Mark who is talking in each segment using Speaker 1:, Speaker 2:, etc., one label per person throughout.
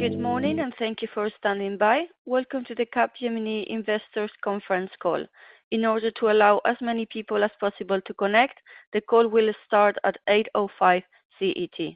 Speaker 1: Good morning, and thank you for standing by. Welcome to the Capgemini Investors Conference Call. In order to allow as many people as possible to connect, the call will start at 8:05 A.M. CET.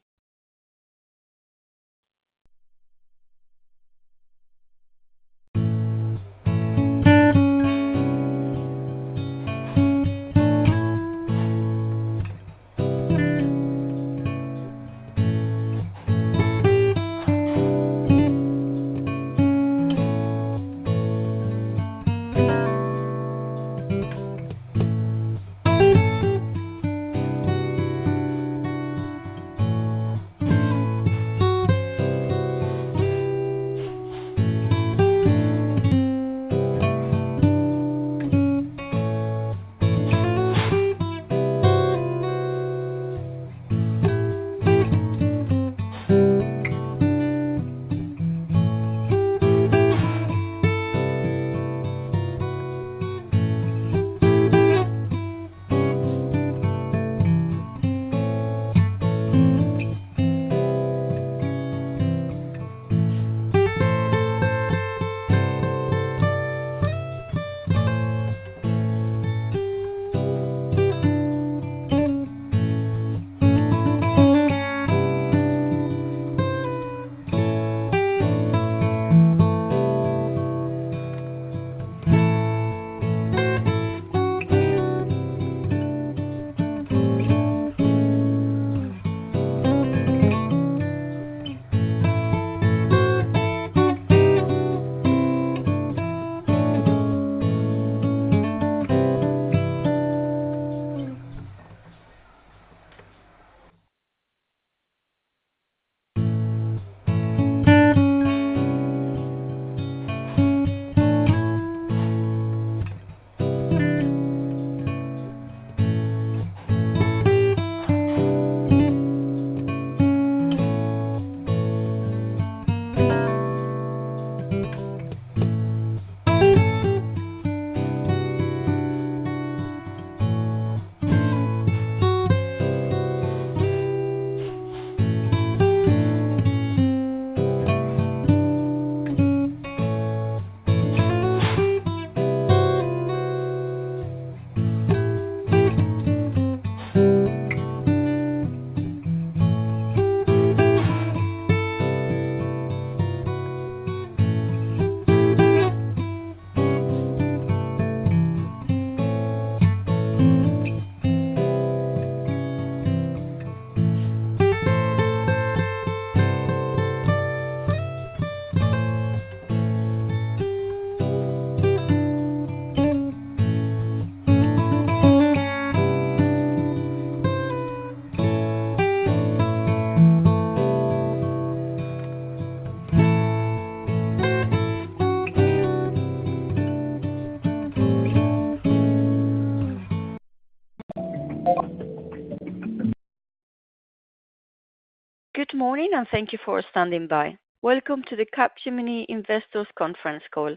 Speaker 1: Good morning, and thank you for standing by. Welcome to the Capgemini Investors Conference Call.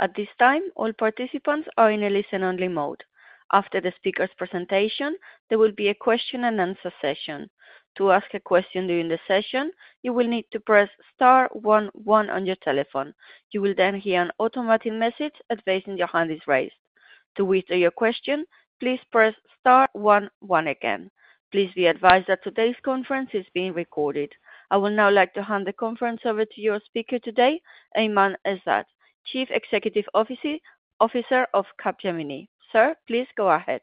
Speaker 1: At this time, all participants are in a listen-only mode. After the speaker's presentation, there will be a question-and-answer session. To ask a question during the session, you will need to press star one one on your telephone. You will then hear an automatic message advising your hand is raised. To withdraw your question, please press star one one again. Please be advised that today's conference is being recorded. I would now like to hand the conference over to your speaker today, Aiman Ezzat, Chief Executive Officer of Capgemini. Sir, please go ahead.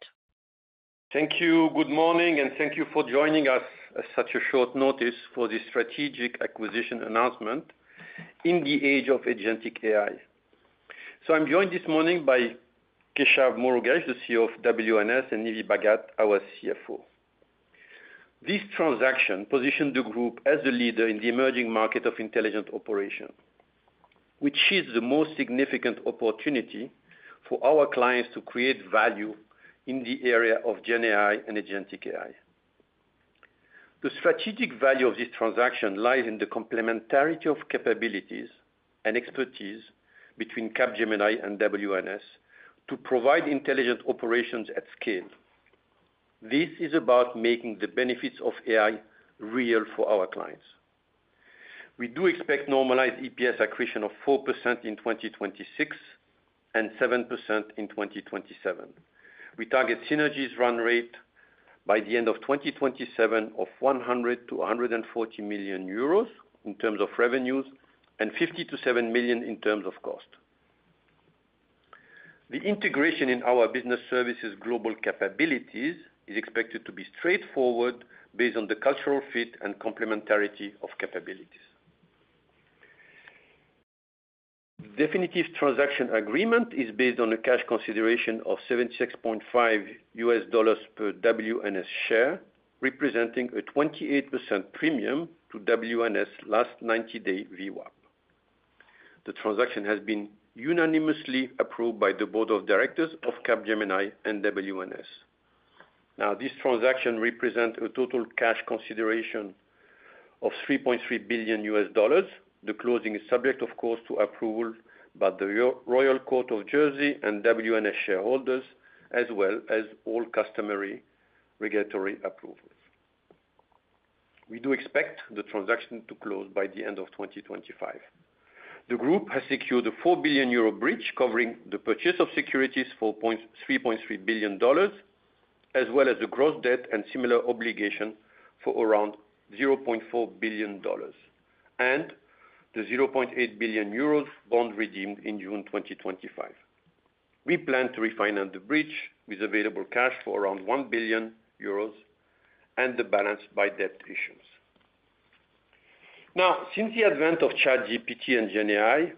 Speaker 2: Thank you. Good morning, and thank you for joining us at such a short notice for this strategic acquisition announcement in the age of agentic AI. I'm joined this morning by Keshav Murugesh, the CEO of WNS, and Nive Bhagat, our CFO. This transaction positions the group as a leader in the emerging market of intelligent operation, which is the most significant opportunity for our clients to create value in the area of Gen AI and agentic AI. The strategic value of this transaction lies in the complementarity of capabilities and expertise between Capgemini and WNS to provide intelligent operations at scale. This is about making the benefits of AI real for our clients. We do expect normalized EPS accretion of 4% in 2026 and 7% in 2027. We target synergies run rate by the end of 2027 of 100 million-140 million euros in terms of revenues and 50 million-70 million in terms of cost. The integration in our business services' global capabilities is expected to be straightforward based on the cultural fit and complementarity of capabilities. The definitive transaction agreement is based on a cash consideration of $76.5 per WNS share, representing a 28% premium to WNS' last 90-day VWAP. The transaction has been unanimously approved by the Board of Directors of Capgemini and WNS. Now, this transaction represents a total cash consideration of $3.3 billion. The closing is subject, of course, to approval by the Royal Court of Jersey and WNS shareholders, as well as all customary regulatory approvals. We do expect the transaction to close by the end of 2025. The group has secured a 4 billion euro bridge covering the purchase of securities for $3.3 billion, as well as the gross debt and similar obligations for around $0.4 billion, and the 0.8 billion euros bond redeemed in June 2025. We plan to refinance the bridge with available cash for around 1 billion euros and the balance by debt issuance. Now, since the advent of ChatGPT and Gen AI,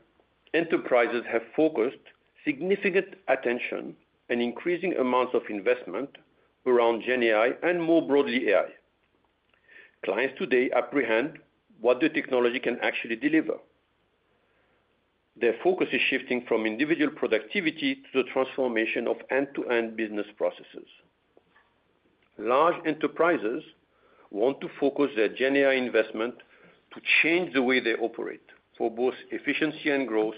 Speaker 2: enterprises have focused significant attention and increasing amounts of investment around Gen AI and more broadly AI. Clients today apprehend what the technology can actually deliver. Their focus is shifting from individual productivity to the transformation of end-to-end business processes. Large enterprises want to focus their Gen AI investment to change the way they operate for both efficiency and growth,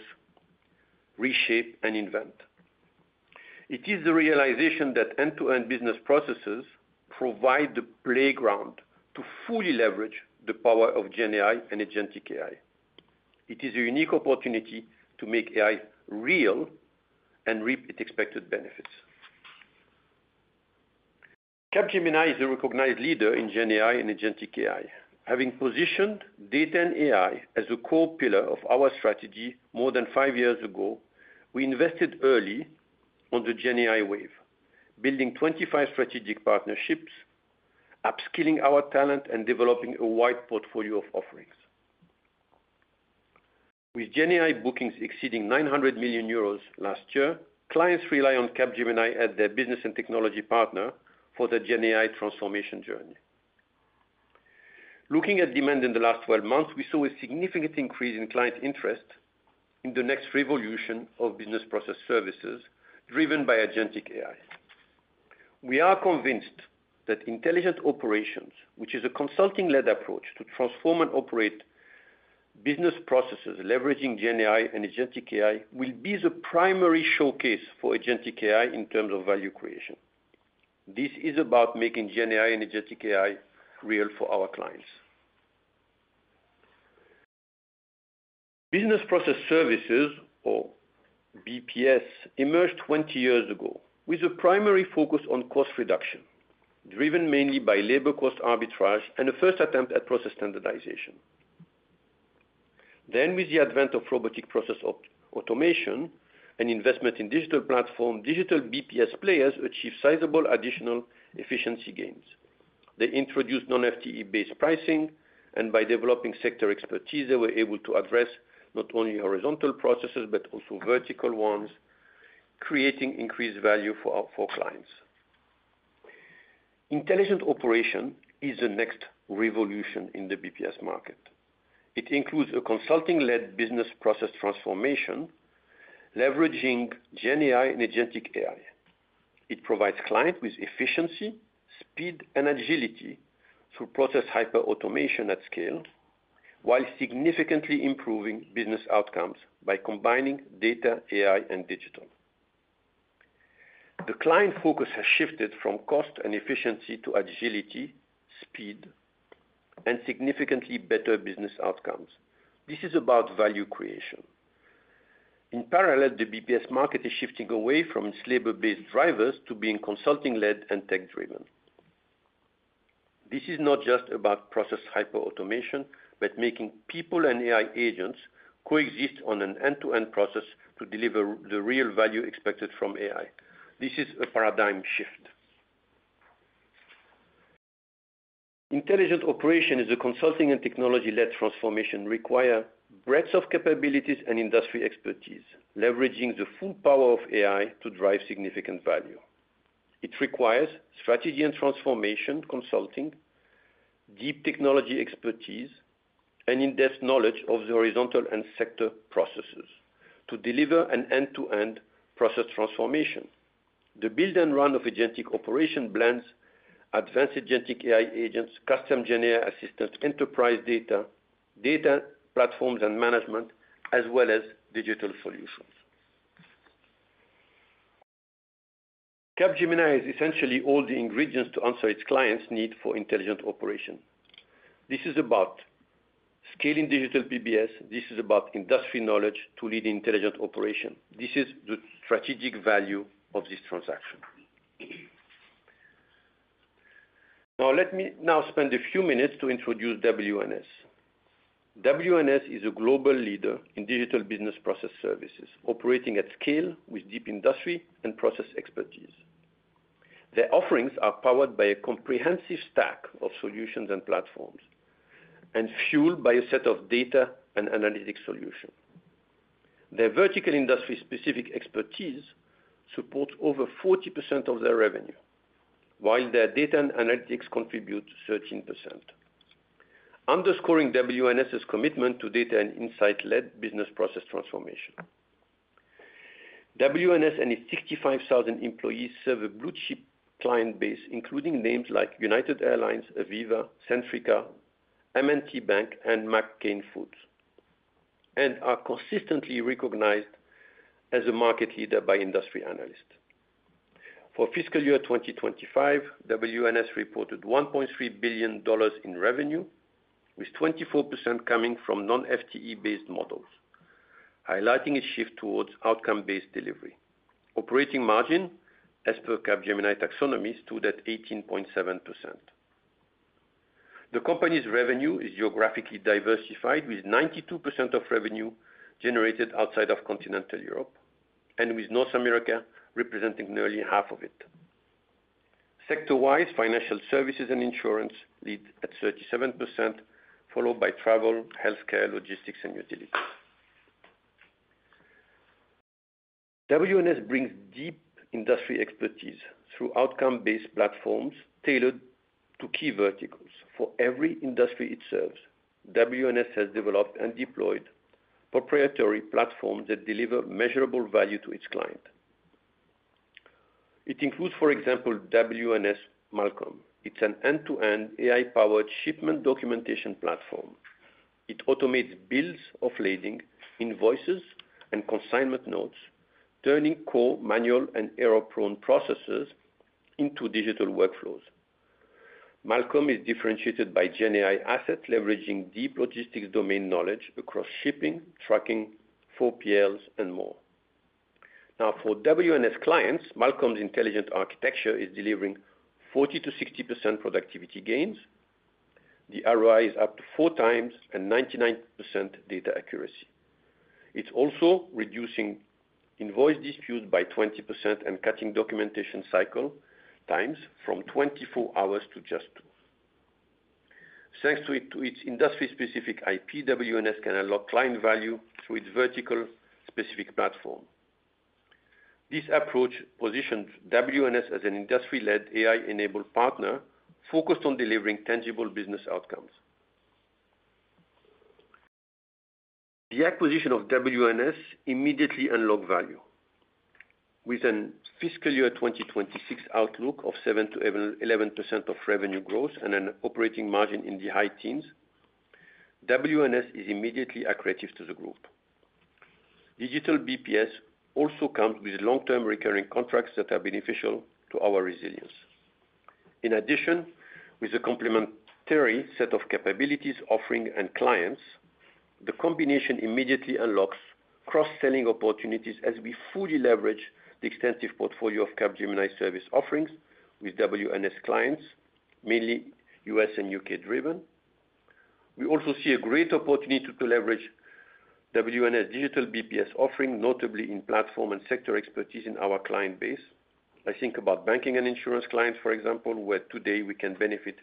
Speaker 2: reshape, and invent. It is the realization that end-to-end business processes provide the playground to fully leverage the power of Gen AI and agentic AI. It is a unique opportunity to make AI real and reap its expected benefits. Capgemini is a recognized leader in Gen AI and agentic AI. Having positioned data and AI as a core pillar of our strategy more than five years ago, we invested early on the Gen AI wave, building 25 strategic partnerships, upskilling our talent, and developing a wide portfolio of offerings. With Gen AI bookings exceeding 900 million euros last year, clients rely on Capgemini as their business and technology partner for the Gen AI transformation journey. Looking at demand in the last 12 months, we saw a significant increase in client interest in the next revolution of business process services driven by agentic AI. We are convinced that intelligent operations, which is a consulting-led approach to transform and operate business processes leveraging Gen AI and agentic AI, will be the primary showcase for agentic AI in terms of value creation. This is about making Gen AI and agentic AI real for our clients. Business Process Services, or BPS, emerged 20 years ago with a primary focus on cost reduction, driven mainly by labor cost arbitrage and a first attempt at process standardization. Then, with the advent of robotic process automation and investment in digital platforms, digital BPS players achieved sizable additional efficiency gains. They introduced non-FTE-based pricing, and by developing sector expertise, they were able to address not only horizontal processes but also vertical ones, creating increased value for our clients. Intelligent operation is the next revolution in the BPS market. It includes a consulting-led business process transformation leveraging Gen AI and agentic AI. It provides clients with efficiency, speed, and agility through process hyper-automation at scale, while significantly improving business outcomes by combining data, AI, and digital. The client focus has shifted from cost and efficiency to agility, speed, and significantly better business outcomes. This is about value creation. In parallel, the BPS market is shifting away from its labor-based drivers to being consulting-led and tech-driven. This is not just about process hyper-automation but making people and AI agents coexist on an end-to-end process to deliver the real value expected from AI. This is a paradigm shift. Intelligent operation is a consulting and technology-led transformation that requires breadth of capabilities and industry expertise, leveraging the full power of AI to drive significant value. It requires strategy and transformation consulting, deep technology expertise, and in-depth knowledge of the horizontal and sector processes to deliver an end-to-end process transformation. The build and run of agentic operation blends advanced agentic AI agents, custom Gen AI assistants, enterprise data, data platforms, and management, as well as digital solutions. Capgemini is essentially all the ingredients to answer its clients' need for intelligent operation. This is about scaling digital BPS. This is about industry knowledge to lead intelligent operation. This is the strategic value of this transaction. Now, let me now spend a few minutes to introduce WNS. WNS is a global leader in digital business process services, operating at scale with deep industry and process expertise. Their offerings are powered by a comprehensive stack of solutions and platforms and fueled by a set of data and analytics solutions. Their vertical industry-specific expertise supports over 40% of their revenue, while their data and analytics contribute 13%, underscoring WNS's commitment to data and insight-led business process transformation. WNS and its 65,000 employees serve a blue-chip client base, including names like United Airlines, Aviva, Centrica, M&T Bank, and McCain Foods, and are consistently recognized as a market leader by industry analysts. For fiscal year 2025, WNS reported $1.3 billion in revenue, with 24% coming from non-FTE-based models, highlighting a shift towards outcome-based delivery. Operating margin, as per Capgemini taxonomy, stood at 18.7%. The company's revenue is geographically diversified, with 92% of revenue generated outside of Continental Europe and with North America representing nearly half of it. Sector-wise, financial services and insurance lead at 37%, followed by travel, healthcare, logistics, and utilities. WNS brings deep industry expertise through outcome-based platforms tailored to key verticals. For every industry it serves, WNS has developed and deployed proprietary platforms that deliver measurable value to its clients. It includes, for example, WNS Malkom. It's an end-to-end AI-powered shipment documentation platform. It automates bills of lading, invoices, and consignment notes, turning core manual and error-prone processes into digital workflows. Malkom is differentiated by Gen AI assets, leveraging deep logistics domain knowledge across shipping, trucking, 4PLs, and more. Now, for WNS clients, Malkom intelligent architecture is delivering 40%-60% productivity gains. The ROI is up to 4x and 99% data accuracy. It's also reducing invoice disputes by 20% and cutting documentation cycle times from 24 hours to just two. Thanks to its industry-specific IP, WNS can unlock client value through its vertical-specific platform. This approach positions WNS as an industry-led AI-enabled partner focused on delivering tangible business outcomes. The acquisition of WNS immediately unlocks value. With a fiscal year 2026 outlook of 7-11% of revenue growth and an operating margin in the high teens, WNS is immediately accretive to the group. Digital BPS also comes with long-term recurring contracts that are beneficial to our resilience. In addition, with a complementary set of capabilities, offerings, and clients, the combination immediately unlocks cross-selling opportunities as we fully leverage the extensive portfolio of Capgemini service offerings with WNS clients, mainly U.S. and U.K.-driven. We also see a great opportunity to leverage WNS' digital BPS offering, notably in platform and sector expertise in our client base. I think about banking and insurance clients, for example, where today we can benefit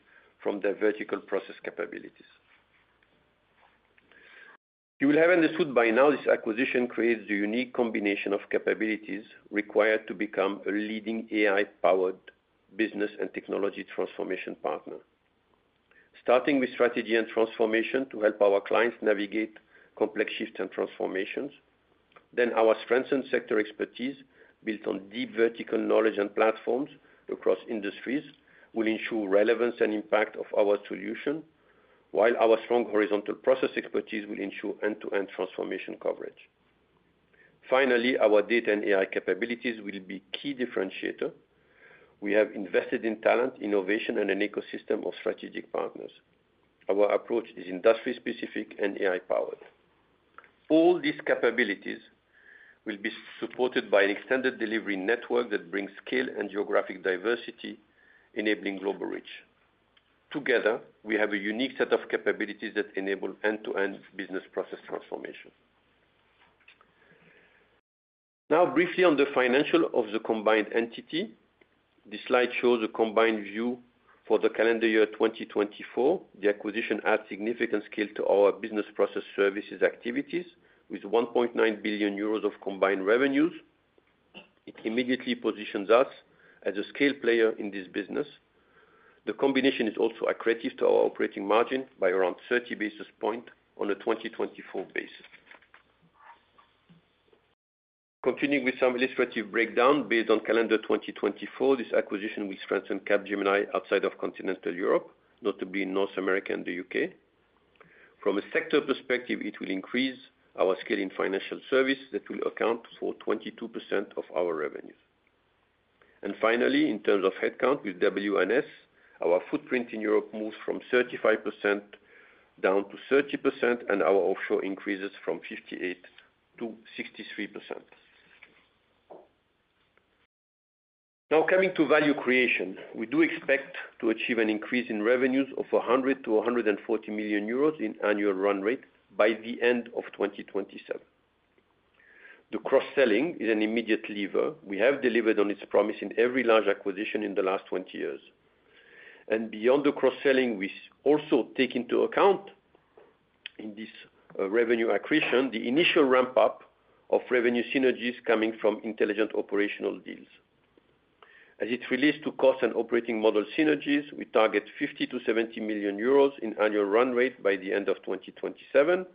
Speaker 2: from their vertical process capabilities. You will have understood by now this acquisition creates a unique combination of capabilities required to become a leading AI-powered business and technology transformation partner. Starting with strategy and transformation to help our clients navigate complex shifts and transformations, then our strengthened sector expertise built on deep vertical knowledge and platforms across industries will ensure relevance and impact of our solution, while our strong horizontal process expertise will ensure end-to-end transformation coverage. Finally, our data and AI capabilities will be a key differentiator. We have invested in talent, innovation, and an ecosystem of strategic partners. Our approach is industry-specific and AI-powered. All these capabilities will be supported by an extended delivery network that brings scale and geographic diversity, enabling global reach. Together, we have a unique set of capabilities that enable end-to-end business process transformation. Now, briefly on the financials of the combined entity. This slide shows a combined view for the calendar year 2024. The acquisition adds significant scale to our business process services activities with 1.9 billion euros of combined revenues. It immediately positions us as a scale player in this business. The combination is also accretive to our operating margin by around 30 basis points on a 2024 basis. Continuing with some illustrative breakdown based on calendar 2024, this acquisition will strengthen Capgemini outside of Continental Europe, notably North America and the U.K. From a sector perspective, it will increase our scale in financial services that will account for 22% of our revenues. Finally, in terms of headcount with WNS, our footprint in Europe moves from 35% down to 30%, and our offshore increases from 58% to 63%. Now, coming to value creation, we do expect to achieve an increase in revenues of 100 million-140 million euros in annual run rate by the end of 2027. The cross-selling is an immediate lever. We have delivered on its promise in every large acquisition in the last 20 years. Beyond the cross-selling, we also take into account in this revenue accretion the initial ramp-up of revenue synergies coming from intelligent operational deals. As it relates to cost and operating model synergies, we target 50 million-70 million euros in annual run rate by the end of 2027,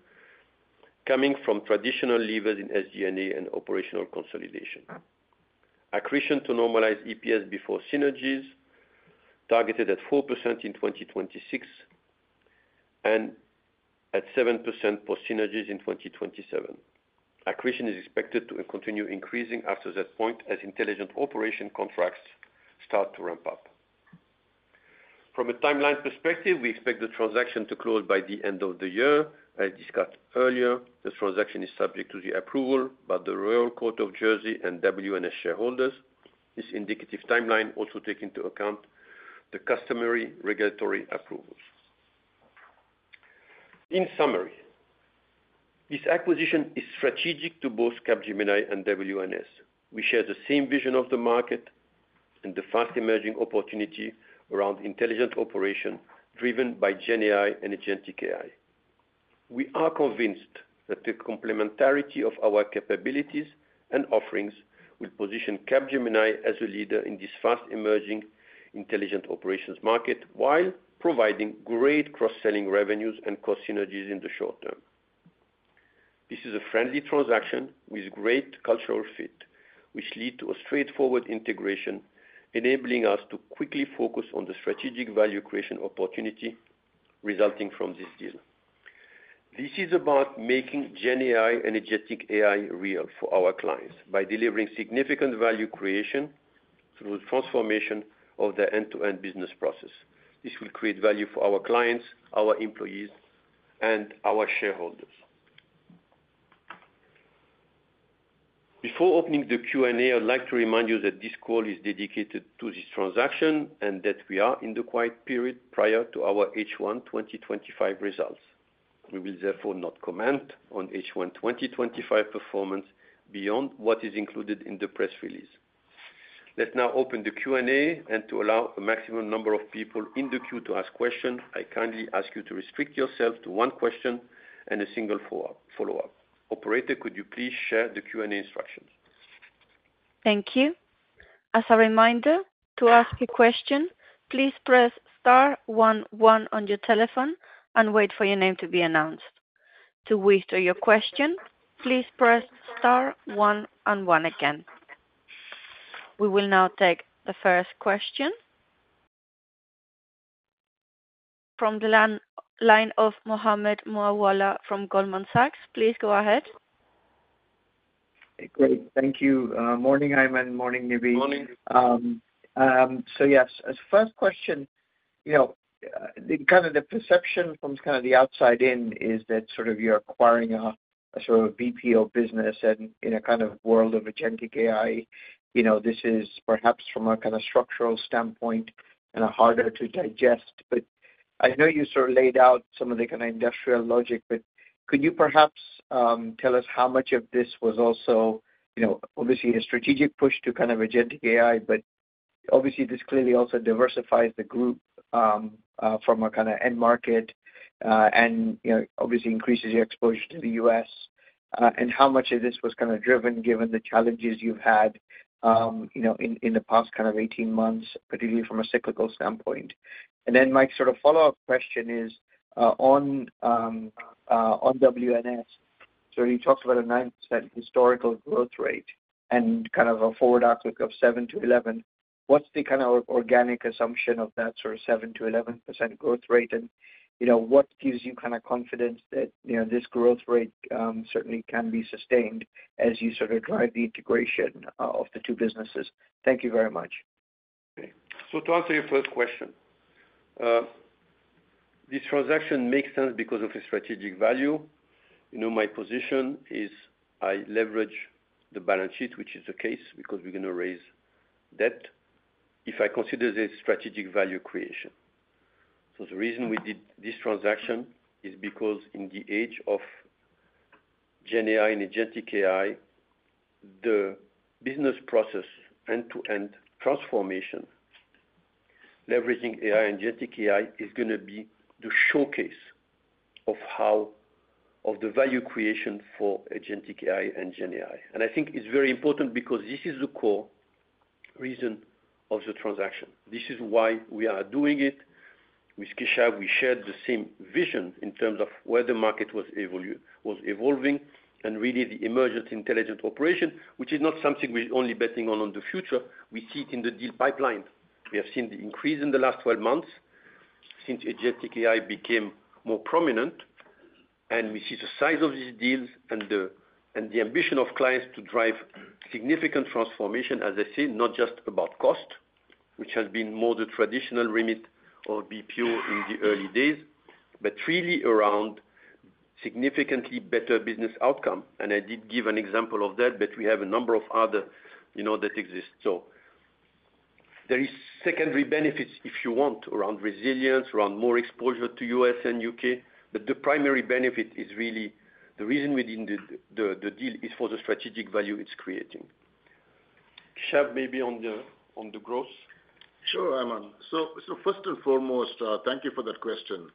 Speaker 2: coming from traditional levers in SG&A and operational consolidation. Accretion to normalized EPS before synergies targeted at 4% in 2026 and at 7% post-synergies in 2027. Accretion is expected to continue increasing after that point as intelligent operation contracts start to ramp up. From a timeline perspective, we expect the transaction to close by the end of the year. As discussed earlier, the transaction is subject to the approval by the Royal Court of Jersey and WNS shareholders. This indicative timeline also takes into account the customary regulatory approvals. In summary, this acquisition is strategic to both Capgemini and WNS. We share the same vision of the market and the fast-emerging opportunity around intelligent operation driven by Gen AI and agentic AI. We are convinced that the complementarity of our capabilities and offerings will position Capgemini as a leader in this fast-emerging intelligent operations market while providing great cross-selling revenues and cost synergies in the short term. This is a friendly transaction with great cultural fit, which leads to a straightforward integration, enabling us to quickly focus on the strategic value creation opportunity resulting from this deal. This is about making Gen AI and agentic AI real for our clients by delivering significant value creation through the transformation of their end-to-end business process. This will create value for our clients, our employees, and our shareholders. Before opening the Q&A, I'd like to remind you that this call is dedicated to this transaction and that we are in the quiet period prior to our H1 2025 results. We will therefore not comment on H1 2025 performance beyond what is included in the press release. Let's now open the Q&A, and to allow a maximum number of people in the queue to ask questions, I kindly ask you to restrict yourself to one question and a single follow-up. Operator, could you please share the Q&A instructions?
Speaker 1: Thank you. As a reminder, to ask a question, please press star one one on your telephone and wait for your name to be announced. To withdraw your question, please press star one one again. We will now take the first question from the line of Mohammed Moawalla from Goldman Sachs. Please go ahead.
Speaker 3: Great. Thank you. Morning, Aiman. Morning, Nive. Yes, as a first question, kind of the perception from kind of the outside in is that sort of you're acquiring a sort of BPO business in a kind of world of agentic AI. This is perhaps from a kind of structural standpoint kind of harder to digest. I know you sort of laid out some of the kind of industrial logic, but could you perhaps tell us how much of this was also obviously a strategic push to kind of agentic AI, but obviously this clearly also diversifies the group from a kind of end market and obviously increases your exposure to the US, and how much of this was kind of driven given the challenges you've had in the past 18 months, particularly from a cyclical standpoint. My sort of follow-up question is on WNS. You talked about a 9% historical growth rate and kind of a forward outlook of 7%-11%. What's the kind of organic assumption of that sort of 7%-11% growth rate, and what gives you kind of confidence that this growth rate certainly can be sustained as you sort of drive the integration of the two businesses? Thank you very much.
Speaker 2: Okay. To answer your first question, this transaction makes sense because of a strategic value. My position is I leverage the balance sheet, which is the case because we're going to raise debt if I consider this strategic value creation. The reason we did this transaction is because in the age of Gen AI and agentic AI, the business process end-to-end transformation, leveraging AI and agentic AI, is going to be the showcase of the value creation for agentic AI and Gen AI. I think it's very important because this is the core reason of the transaction. This is why we are doing it. With Keshav, we shared the same vision in terms of where the market was evolving, and really the emergent intelligent operation, which is not something we're only betting on in the future. We see it in the deal pipeline. We have seen the increase in the last 12 months since agentic AI became more prominent, and we see the size of these deals and the ambition of clients to drive significant transformation, as I say, not just about cost, which has been more the traditional remit of BPO in the early days, but really around significantly better business outcome. I did give an example of that, but we have a number of others that exist. There are secondary benefits, if you want, around resilience, around more exposure to U.S. and U.K. The primary benefit is really the reason we did the deal, is for the strategic value it is creating. Keshav, maybe on the growth?
Speaker 4: Sure, Aiman. First and foremost, thank you for that question.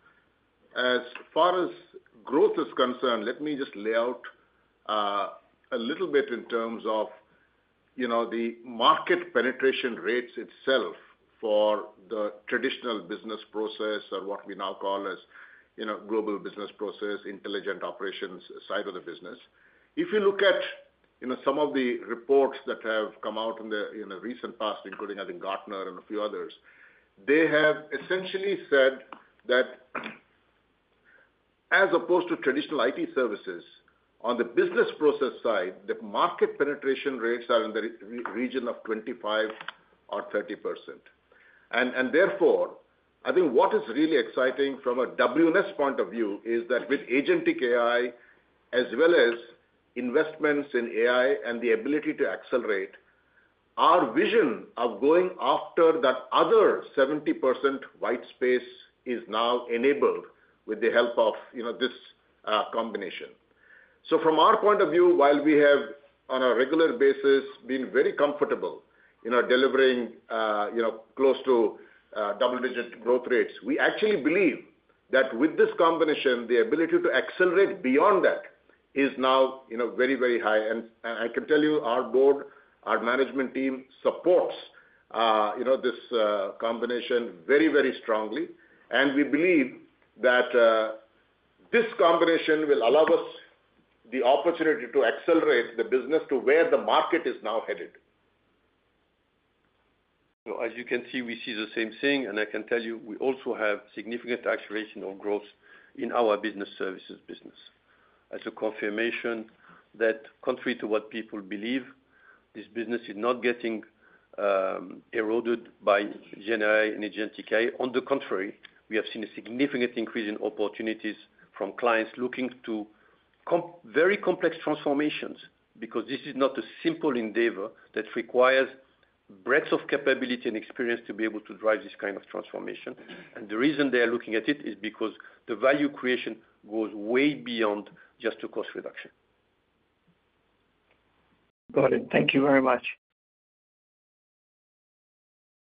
Speaker 4: As far as growth is concerned, let me just lay out a little bit in terms of the market penetration rates itself for the traditional business process or what we now call as global business process, intelligent operations side of the business. If you look at some of the reports that have come out in the recent past, including, I think, Gartner and a few others, they have essentially said that as opposed to traditional IT services, on the business process side, the market penetration rates are in the region of 25% or 30%. Therefore, I think what is really exciting from a WNS point-of-view is that with agentic AI, as well as investments in AI and the ability to accelerate, our vision of going after that other 70% white space is now enabled with the help of this combination. From our point-of-view, while we have, on a regular basis, been very comfortable in delivering close to double-digit growth rates, we actually believe that with this combination, the ability to accelerate beyond that is now very, very high. I can tell you our Board, our Management Team supports this combination very, very strongly. We believe that this combination will allow us the opportunity to accelerate the business to where the market is now headed.
Speaker 2: As you can see, we see the same thing. I can tell you we also have significant acceleration of growth in our business services business. As a confirmation that, contrary to what people believe, this business is not getting eroded by Gen AI and agentic AI. On the contrary, we have seen a significant increase in opportunities from clients looking to very complex transformations because this is not a simple endeavor that requires breadth of capability and experience to be able to drive this kind of transformation. The reason they are looking at it is because the value creation goes way beyond just the cost reduction.
Speaker 3: Got it. Thank you very much.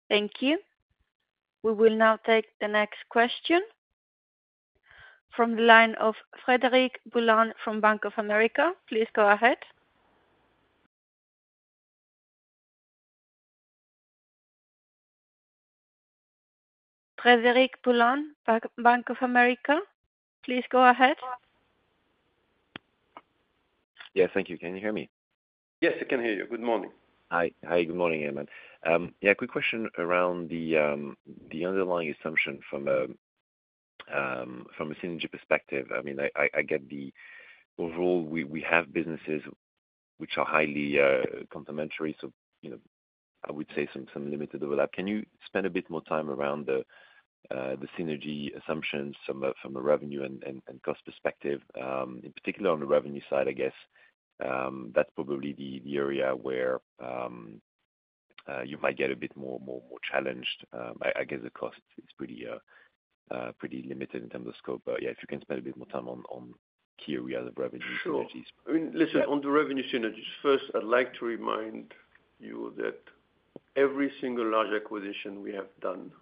Speaker 1: Thank you. We will now take the next question from the line of Frederic Boulan from Bank of America. Please go ahead.
Speaker 5: Yes, thank you. Can you hear me?
Speaker 2: Yes, I can hear you. Good morning.
Speaker 5: Hi, hi. Good morning, Aiman. Yeah, quick question around the underlying assumption from a synergy perspective. I mean, I get the overall we have businesses which are highly complementary. So I would say some limited overlap. Can you spend a bit more time around the synergy assumptions from a revenue and cost perspective, in particular on the revenue side, I guess? That's probably the area where you might get a bit more challenged. I guess the cost is pretty limited in terms of scope. Yeah, if you can spend a bit more time on key areas of revenue synergies.
Speaker 2: Sure. I mean, listen, on the revenue synergies, first, I'd like to remind you that every single large acquisition we have done,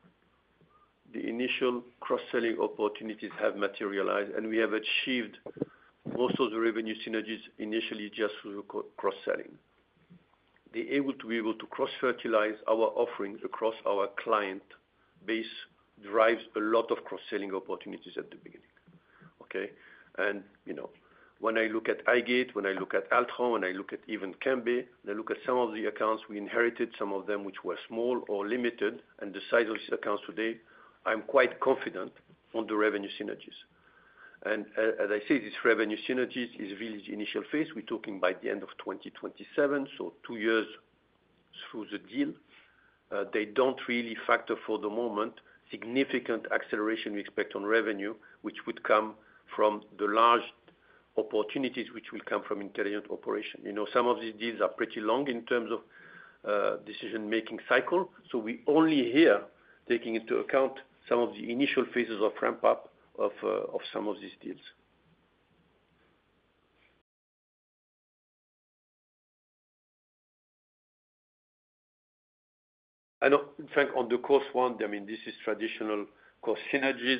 Speaker 2: the initial cross-selling opportunities have materialized, and we have achieved most of the revenue synergies initially just through cross-selling. The ability to be able to cross-fertilize our offerings across our client base drives a lot of cross-selling opportunities at the beginning. Okay? When I look at iGATE, when I look at Altran, when I look at even Cambay, when I look at some of the accounts we inherited, some of them which were small or limited, and the size of these accounts today, I'm quite confident on the revenue synergies. As I say, this revenue synergy is really the initial phase. We're talking by the end of 2027, so two years through the deal. They do not really factor for the moment significant acceleration we expect on revenue, which would come from the large opportunities which will come from intelligent operation. Some of these deals are pretty long in terms of decision-making cycle. We only here, taking into account some of the initial phases of ramp-up of some of these deals. I know, Fred, on the cost one, I mean, this is traditional cost synergies.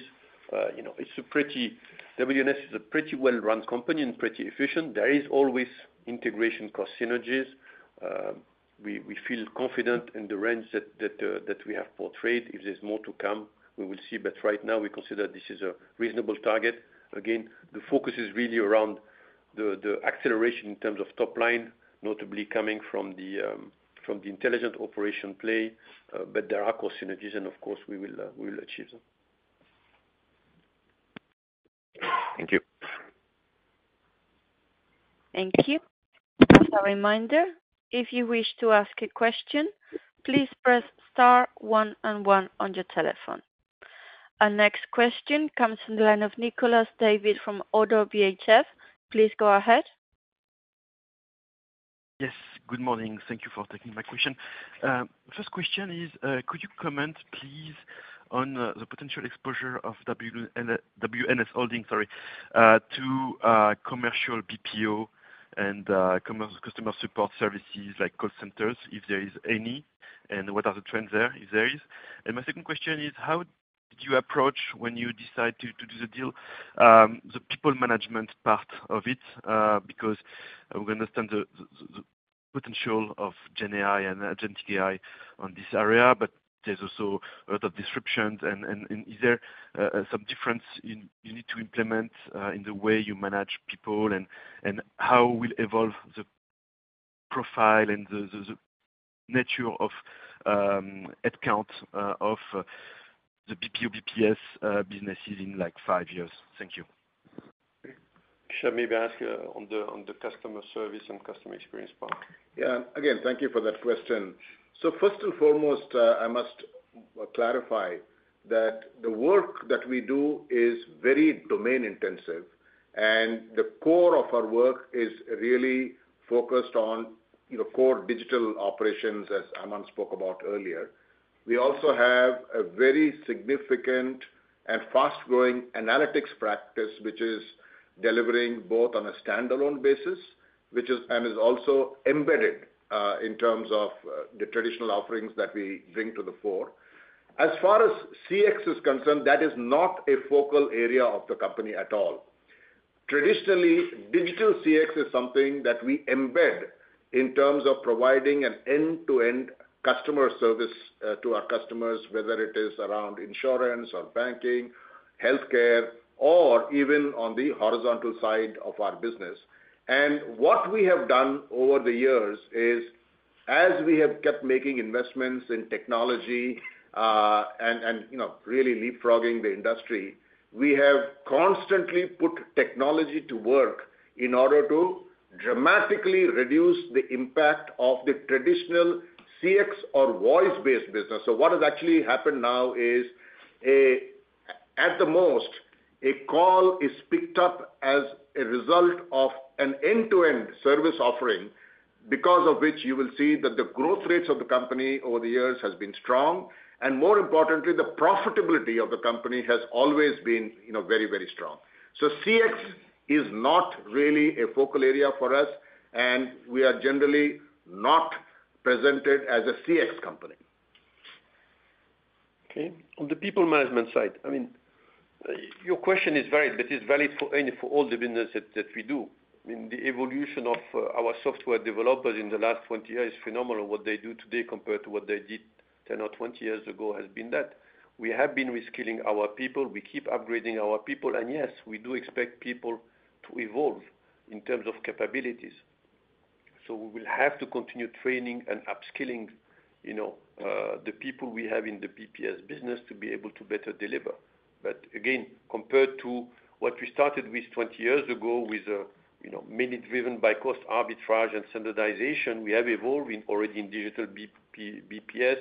Speaker 2: WNS is a pretty well-run company and pretty efficient. There is always integration cost synergies. We feel confident in the range that we have portrayed. If there's more to come, we will see. Right now, we consider this is a reasonable target. Again, the focus is really around the acceleration in terms of top line, notably coming from the intelligent operation play. There are cost synergies, and of course, we will achieve them.
Speaker 5: Thank you.
Speaker 1: Thank you. As a reminder, if you wish to ask a question, please press star one one on your telephone. Our next question comes from the line of Nicolas David from ODDO BHF. Please go ahead.
Speaker 6: Yes. Good morning. Thank you for taking my question. First question is, could you comment, please, on the potential exposure of WNS holding, sorry, to commercial BPO and customer support services like call centers, if there is any, and what are the trends there, if there is? My second question is, how did you approach when you decided to do the deal, the people management part of it? I understand the potential of Gen AI and agentic AI on this area, but there is also a lot of disruptions. Is there some difference you need to implement in the way you manage people, and how will evolve the profile and the nature of headcount of the BPO, BPS businesses in like five years? Thank you.
Speaker 2: Keshav, maybe ask on the customer service and customer experience part.
Speaker 4: Yeah. Again, thank you for that question. First and foremost, I must clarify that the work that we do is very domain-intensive, and the core of our work is really focused on core digital operations, as Aiman spoke about earlier. We also have a very significant and fast-growing analytics practice, which is delivering both on a standalone basis and is also embedded in terms of the traditional offerings that we bring to the fore. As far as CX is concerned, that is not a focal area of the company at all. Traditionally, digital CX is something that we embed in terms of providing an end-to-end customer service to our customers, whether it is around insurance or banking, healthcare, or even on the horizontal side of our business. What we have done over the years is, as we have kept making investments in technology and really leapfrogging the industry, we have constantly put technology to work in order to dramatically reduce the impact of the traditional CX or voice-based business. What has actually happened now is, at the most, a call is picked up as a result of an end-to-end service offering because of which you will see that the growth rates of the company over the years have been strong. More importantly, the profitability of the company has always been very, very strong. CX is not really a focal area for us, and we are generally not presented as a CX company.
Speaker 2: Okay. On the people management side, I mean, your question is valid, but it's valid for all the businesses that we do. I mean, the evolution of our software developers in the last 20 years is phenomenal. What they do today compared to what they did 10 or 20 years ago has been that we have been reskilling our people. We keep upgrading our people. Yes, we do expect people to evolve in terms of capabilities. We will have to continue training and upskilling the people we have in the BPS business to be able to better deliver. Again, compared to what we started with 20 years ago with many driven by cost arbitrage and standardization, we have evolved already in digital BPS.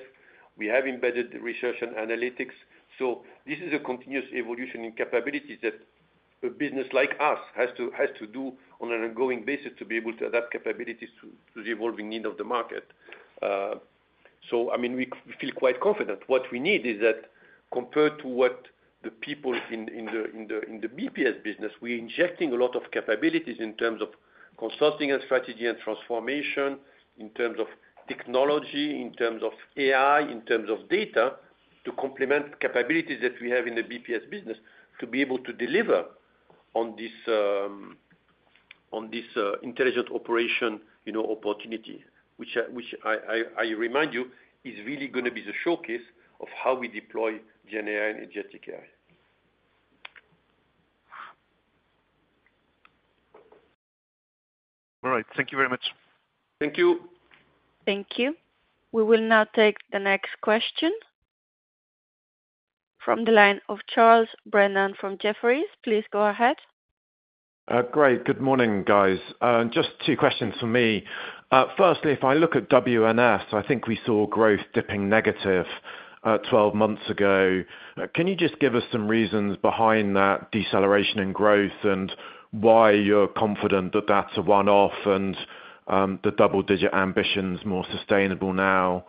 Speaker 2: We have embedded the research and analytics. This is a continuous evolution in capabilities that a business like us has to do on an ongoing basis to be able to adapt capabilities to the evolving need of the market. I mean, we feel quite confident. What we need is that compared to what the people in the BPS business, we are injecting a lot of capabilities in terms of consulting and strategy and transformation, in terms of technology, in terms of AI, in terms of data to complement capabilities that we have in the BPS business to be able to deliver on this intelligent operation opportunity, which I remind you is really going to be the showcase of how we deploy Gen AI and agentic AI.
Speaker 6: All right. Thank you very much.
Speaker 2: Thank you.
Speaker 1: Thank you. We will now take the next question from the line of Charles Brennan from Jefferies. Please go ahead.
Speaker 7: Great. Good morning, guys. Just two questions for me. Firstly, if I look at WNS, I think we saw growth dipping negative 12 months ago. Can you just give us some reasons behind that deceleration in growth and why you're confident that that's a one-off and the double-digit ambitions more sustainable now?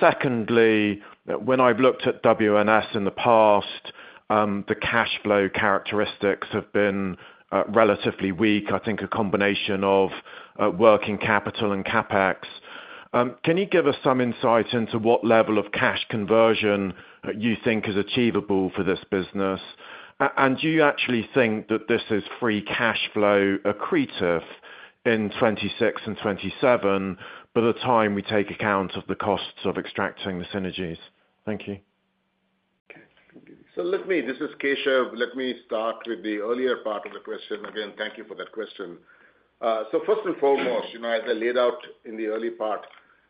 Speaker 7: Secondly, when I've looked at WNS in the past, the cash flow characteristics have been relatively weak, I think a combination of working capital and CapEx. Can you give us some insight into what level of cash conversion you think is achievable for this business? Do you actually think that this is free cash flow accretive in 2026 and 2027 by the time we take account of the costs of extracting the synergies? Thank you.
Speaker 4: Okay. This is Keshav. Let me start with the earlier part of the question. Again, thank you for that question. First and foremost, as I laid out in the early part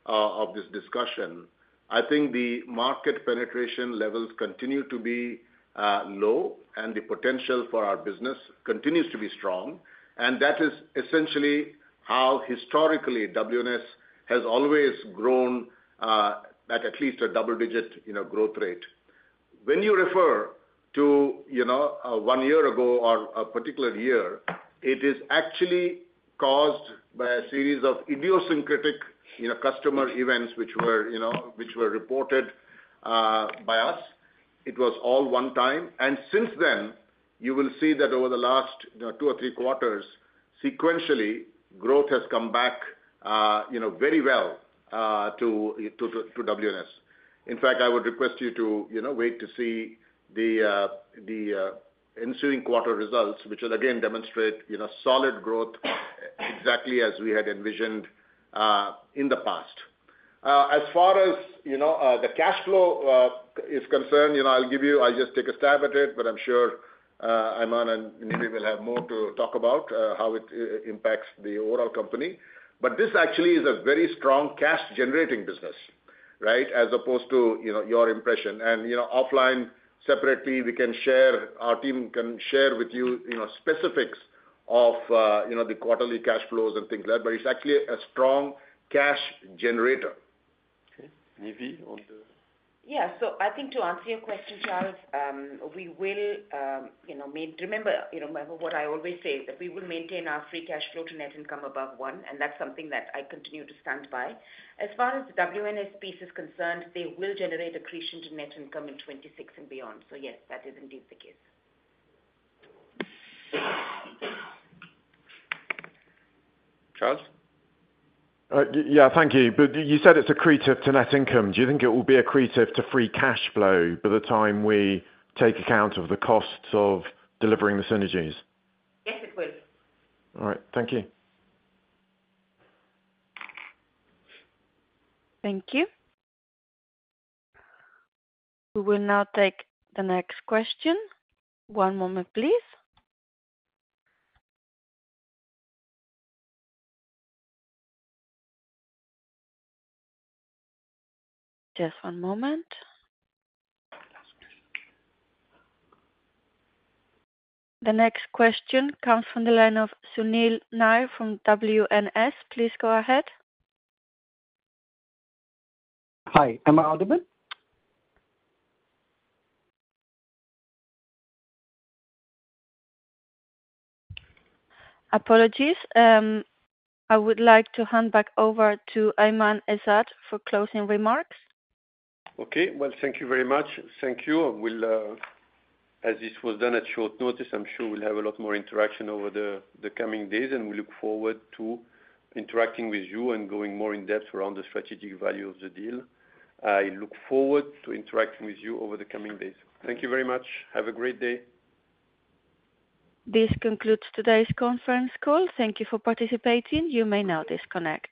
Speaker 4: of this discussion, I think the market penetration levels continue to be low, and the potential for our business continues to be strong. That is essentially how historically WNS has always grown at at least a double-digit growth rate. When you refer to one year ago or a particular year, it is actually caused by a series of idiosyncratic customer events which were reported by us. It was all one time. Since then, you will see that over the last two or three quarters, sequentially, growth has come back very well to WNS. In fact, I would request you to wait to see the ensuing quarter results, which will again demonstrate solid growth exactly as we had envisioned in the past. As far as the cash flow is concerned, I'll give you, I'll just take a stab at it, but I'm sure Aiman and Nive will have more to talk about how it impacts the overall company. This actually is a very strong cash-generating business, right, as opposed to your impression. Offline, separately, we can share, our team can share with you specifics of the quarterly cash flows and things like that, but it's actually a strong cash generator. Okay. Nive on the-
Speaker 8: Yeah. I think to answer your question, Charles, we will remember what I always say, that we will maintain our free cash flow to net income above one, and that's something that I continue to stand by. As far as WNS piece is concerned, they will generate accretion to net income in 2026 and beyond. Yes, that is indeed the case.
Speaker 4: Charles?
Speaker 7: Yeah. Thank you. But you said it's accretive to net income. Do you think it will be accretive to free cash flow by the time we take account of the costs of delivering the synergies?
Speaker 8: Yes, it will.
Speaker 7: All right. Thank you.
Speaker 8: Thank you. We will now take the next question. One moment, please. Just one moment. The next question comes from the line of Sunil Nair from WNS. Please go ahead.
Speaker 9: Hi. Am I audible?
Speaker 1: Apologies. I would like to hand back over to Aiman Ezzat for closing remarks.
Speaker 2: Okay. Thank you very much. Thank you. As this was done at short notice, I'm sure we'll have a lot more interaction over the coming days, and we look forward to interacting with you and going more in-depth around the strategic value of the deal. I look forward to interacting with you over the coming days. Thank you very much. Have a great day.
Speaker 1: This concludes today's conference call. Thank you for participating. You may now disconnect.